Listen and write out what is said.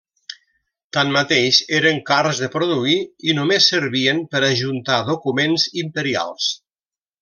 Tanmateix eren cars de produir i només servien per ajuntar documents imperials.